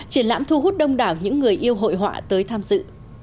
triển lãm thu hút đông đảo những người yêu hội họa tới tham dự